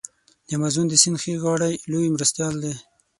د امازون د سیند ښي غاړی لوی مرستیال دی.